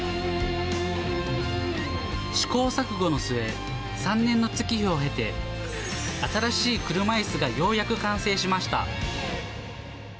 試行錯誤の末、３年の月日を経て、新しい車いすがようやく完成しました。